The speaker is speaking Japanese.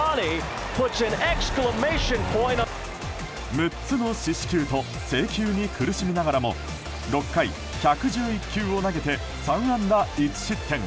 ６つの四死球と制球に苦しみながらも６回１１１球を投げて３安打１失点。